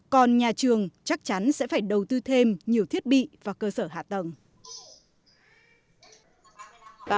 còn nhà trường chắc chắn sẽ phải đầu tư thêm nhiều thiết bị và cơ sở hạ tầng